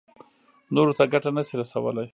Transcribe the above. نورو ته ګټه نه شي رسولی.